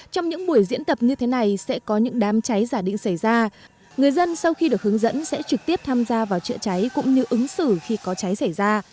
trong những buổi diễn tập như thế này sẽ có những đám cháy giả định xảy ra người dân sau khi được hướng dẫn sẽ trực tiếp tham gia vào chữa cháy cũng như ứng xử khi có cháy xảy ra